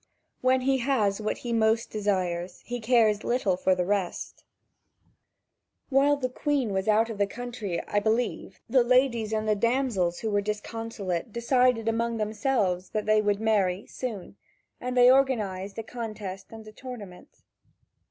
When he has what he most desires, he cares little for the rest. (Vv. 5379 5514.) While the Queen was out of the country, I believe, the ladies and the damsels who were disconsolate, decided among themselves that they would marry, soon, and they organised a contest and a tournament.